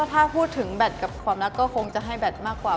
ถ้าพูดถึงแบตกับความรักก็คงจะให้แบตมากกว่า